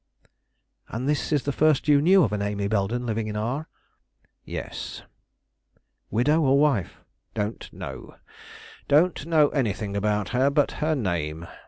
"And is this the first you knew of an Amy Belden living in R ?" "Yes." "Widow or wife?" "Don't know; don't know anything about her but her name."